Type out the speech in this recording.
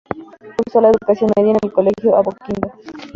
Cursó la educación media en el Colegio Apoquindo.